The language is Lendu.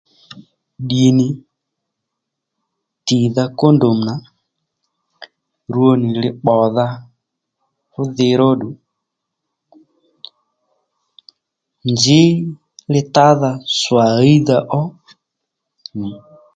Ddì nì tìdha kódòm nà rwo nì li pbòdha fú dhi róddù nzǐ li tádha swà ɦíydha ó nì